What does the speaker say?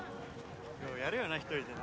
・ようやるよな１人でな・